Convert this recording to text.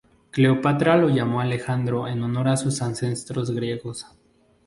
Cleopatra lo llamó Alejandro en honor a sus ancestros griegos.